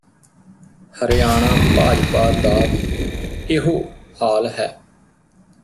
ਹਰਿਆਣਾ ਭਾਜਪਾ ਦਾ ਵੀ ਇਹੋ ਹਾਲ ਹੈ